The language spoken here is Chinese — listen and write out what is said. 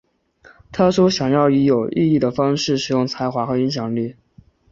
她说想要以有意义的方式使用才华和影响力。